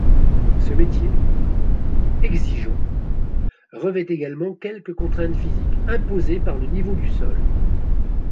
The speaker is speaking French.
Ce métier, exigeant, revêt également quelques contraintes physiques imposées par le niveau du sol.